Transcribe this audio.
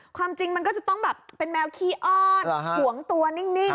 ความจริงมันก็จะต้องแบบเป็นแมวขี้อ้อนหวงตัวนิ่ง